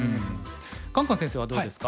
カンカン先生はどうですか？